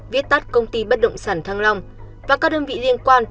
viết tắt công ty bất động sản thăng long và các đơn vị liên quan